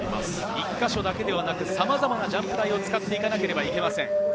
１か所だけではなく、さまざまなジャンプ台を使っていかなければいけません。